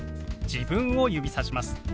自分を指さします。